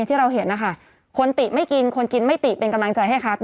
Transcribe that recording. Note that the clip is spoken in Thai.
ที่เราเห็นนะคะคนติไม่กินคนกินไม่ติเป็นกำลังใจให้ครับ